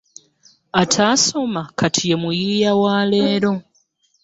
Ataasoma kati ye muyiiya wa leero